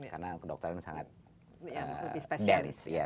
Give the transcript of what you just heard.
karena kedokteran sangat dense